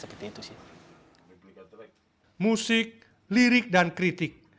musik lirik dan kritik